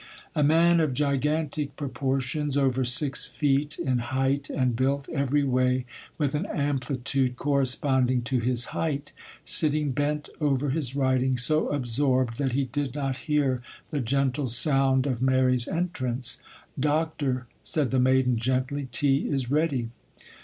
A man of gigantic proportions, over six feet in height, and built every way with an amplitude corresponding to his height, sitting bent over his writing, so absorbed that he did not hear the gentle sound of Mary's entrance. 'Doctor,' said the maiden, gently, 'tea is ready.